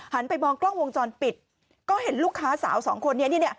หันไปมองกล้องวงจรปิดก็เห็นลูกค้าสาว๒คนนี้